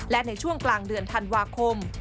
และในช่วงกลางเดือนธันวาคม